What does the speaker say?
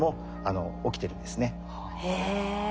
へえ。